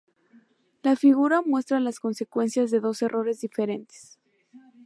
La figura muestra las consecuencias de dos errores diferentes.